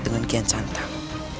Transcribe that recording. dengan kian santang